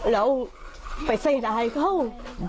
เราไปใส่รายเขา